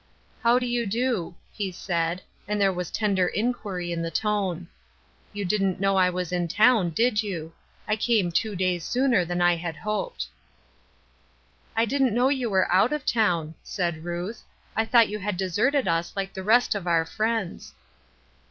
"How do you do?" he said, and there was tender inquiry in the tone. " You didn't know I was in town, did you? I came two days sooner than I had hoped." " I didn't know you were out of town," said Ruth. " I thought you had deserted us like the rest of our friends."